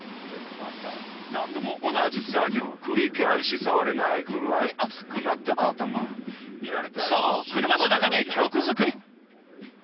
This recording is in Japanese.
同じ作業繰り返し触れないぐらい熱くなった頭そう車の中で曲作り。